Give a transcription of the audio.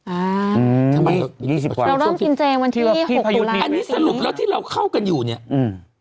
อ่าอืมทำไมยี่สิบกว่าเราเริ่มกินเจวันที่ยี่หกตุลาอันนี้สรุปแล้วที่เราเข้ากันอยู่เนี้ยอืม